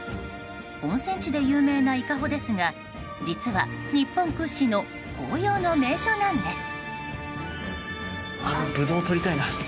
温泉地で有名な伊香保ですが実は日本屈指の紅葉の名所なんです。